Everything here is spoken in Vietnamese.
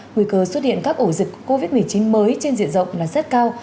nguy cơ xuất hiện các ổ dịch covid một mươi chín mới trên diện rộng là rất cao